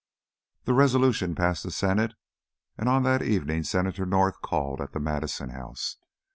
The resolution passed the Senate, and on that evening Senator North called at the Madison house.